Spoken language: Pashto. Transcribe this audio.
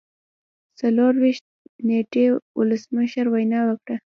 څلور ویشتم نیټې ولسمشر وینا وکړه.